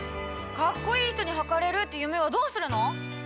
かっこいい人にはかれるって夢はどうするの！？